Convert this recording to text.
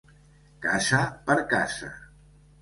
Casa per casa.